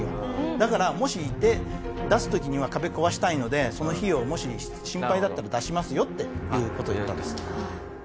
だからもしいて出す時には壁壊したいのでその費用もし心配だったら出しますよっていう事を言ったんです。